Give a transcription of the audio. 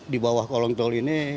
di bawah kolong tol ini